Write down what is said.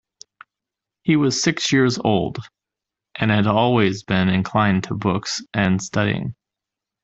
He was six years old, and had always been inclined to books and studying.